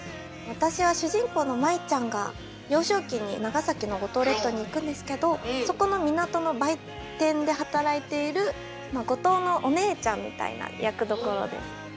私は主人公の舞ちゃんが幼少期に長崎の五島列島に行くんですけどそこの港の売店で働いているまあ五島のお姉ちゃんみたいな役どころです。